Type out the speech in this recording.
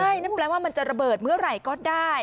ใช่นั่นแปลว่ามันจะระเบิดเมื่อไหร่ก็ได้